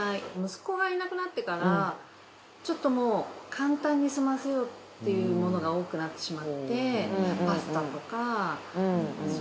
息子がいなくなってからちょっともう簡単に済ませようっていうものが多くなってしまって。